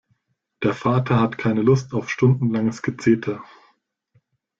Der Vater hat keine Lust auf stundenlanges Gezeter.